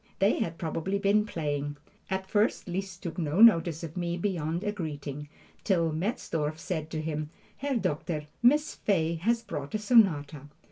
They had probably been playing. At first Liszt took no notice of me beyond a greeting, till Metzdorf said to him, "Herr Doctor, Miss Fay has brought a sonata."